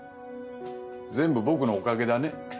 全部僕のおかげだね。